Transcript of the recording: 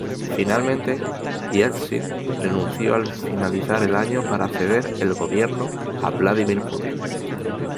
Finalmente, Yeltsin renunció al finalizar el año para ceder el gobierno a Vladímir Putin.